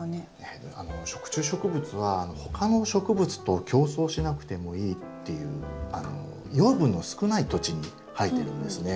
食虫植物は他の植物と競争しなくてもいいっていう養分の少ない土地に生えてるんですね。